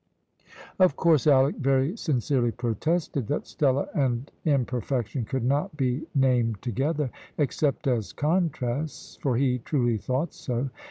Of course Alick very sincerely protested that Stella and imperfection could not be named together, except as contrasts, for he truly thought so.